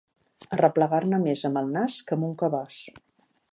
Arreplegar-ne més amb el nas que amb un cabàs.